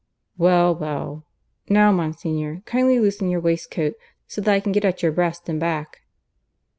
"Well, well. ... Now, Monsignor, kindly loosen your waistcoat, so that I can get at your breast and back."